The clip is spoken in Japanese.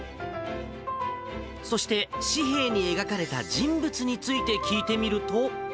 そして、紙幣に描かれた人物について聞いてみると。